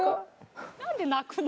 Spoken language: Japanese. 何で泣くの？